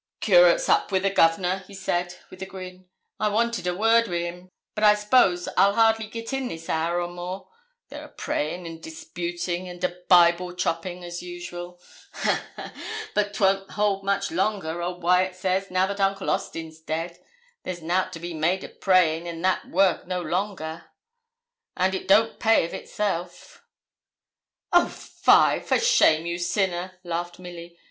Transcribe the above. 'Curate's up wi' the Governor,' he said, with a grin. 'I wanted a word wi' him; but I s'pose I'll hardly git in this hour or more; they're a praying and disputing, and a Bible chopping, as usual. Ha, ha! But 'twon't hold much longer, old Wyat says, now that Uncle Austin's dead; there's nout to be made o' praying and that work no longer, and it don't pay of itself.' 'O fie! For shame, you sinner!' laughed Milly.